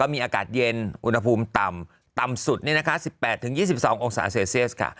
มีอากาศเย็นอุณหภูมิต่ำสุด๑๘๒๒องศาเซลเซียสค่ะ